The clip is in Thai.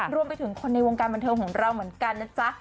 รวมไปถึงคนในวงการบันเทิงของเราเหมือนกันนะจ๊ะ